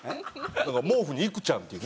なんか毛布にいくちゃんっていうね